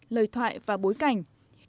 lời thoại và bối cảnh